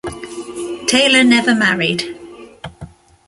Taylor never married.